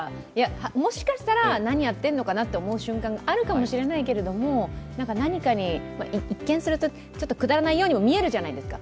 もしかしたら何やってんのかなと思う瞬間があるのかもしれないけど何かに、一見するとくだらないようにも見えるじゃないですか。